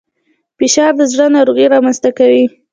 فشار د زړه ناروغۍ رامنځته کوي